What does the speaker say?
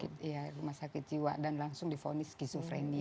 di rumah sakit jiwa dan langsung difonis skizofrenia